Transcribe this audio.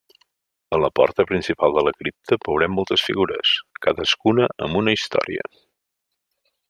A la porta principal de la cripta veurem moltes figures, cadascuna amb una història.